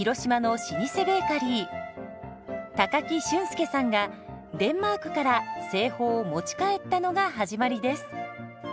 高木俊介さんがデンマークから製法を持ち帰ったのが始まりです。